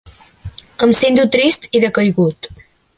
Em sento trist i decaigut.